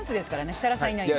設楽さんがいないので。